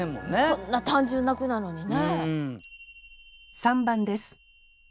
こんな単純な句なのにね。